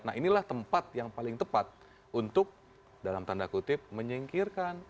nah inilah tempat yang paling tepat untuk dalam keadaan kita